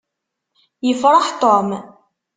Yefṛeḥ Tom.